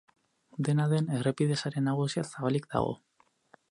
Dena den, errepide sare nagusia zabalik dago.